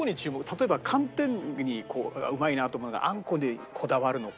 例えば寒天にこううまいなと思うのかあんこにこだわるのか。